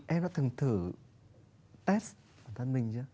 em đã thường thử test bản thân mình chưa